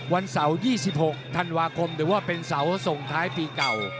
วันเสาร์๒๖ธันวาคมหรือว่าเป็นเสาส่งท้ายปีเก่า